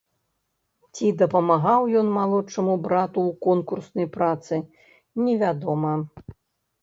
Ці дапамагаў ён малодшаму брату ў конкурснай працы, невядома.